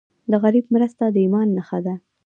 د غریب مرسته د ایمان نښه ده.